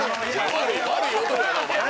悪い男やなお前は。